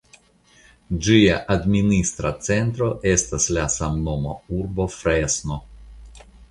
Ĝia administra centro estas la samnoma urbo Fresno.